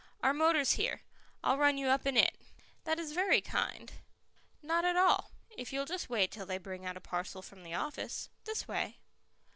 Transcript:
"Our motor's here. I'll run you up in it." "That is very kind " "Not at all, if you'll just wait till they bring out a parcel from the office. This way."